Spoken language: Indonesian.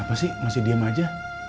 bapak kenapa sih diam aja